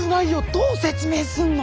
どう説明すんの？